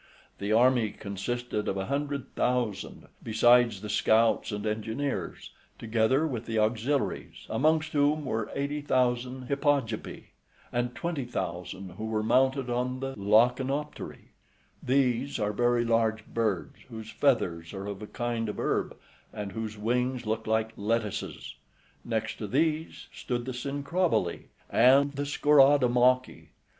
The army consisted of a hundred thousand, besides the scouts and engineers, together with the auxiliaries, amongst whom were eighty thousand Hippogypi, and twenty thousand who were mounted on the Lachanopteri; {85a} these are very large birds, whose feathers are of a kind of herb, and whose wings look like lettuces. Next to these stood the Cinchroboli, {85b} and the Schorodomachi.